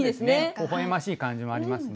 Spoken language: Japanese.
ほほ笑ましい感じもありますね。